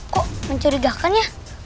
kok mencurigakan ya